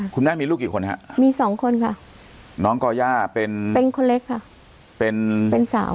คุณแม่มีลูกกี่คนครับมี๒คนค่ะน้องกอย่าเป็นคนเล็กค่ะ